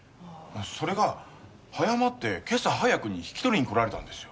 それが早まって今朝早くに引き取りに来られたんですよ。